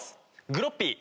「グロッピー」？